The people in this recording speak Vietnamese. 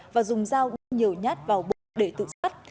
và dùng dao nguyên nhiều nhát vào bộ để tự sát